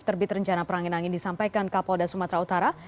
terbit rencana perangin angin disampaikan ke polda sumatera utara